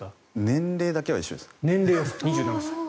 年齢だけは一緒です。